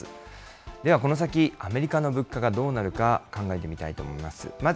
ではこの先、アメリカの物価がどうなるか、考えてみたいと思います。